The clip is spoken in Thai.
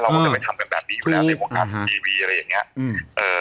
ก็จะไปทำกันแบบนี้อยู่แล้วในวงการทีวีอะไรอย่างเงี้ยอืมเอ่อ